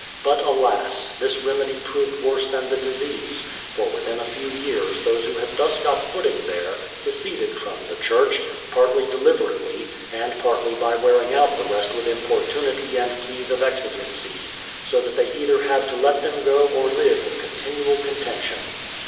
But alas ! this remedy proved worse than the disease; for within a few years those who had thus got footing there, seceded from the church, partly deliber ately, and partly by wearing out the rest with importunity and pleas of exigency, so that they either had to let them go or live in continual contention.